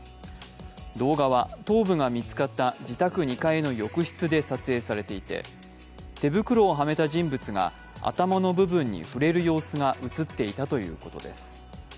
動画は頭部が見つかった自宅２階の浴室で撮影されていて、手袋をはめた人物が頭の部分に触れる様子が映っていたということです。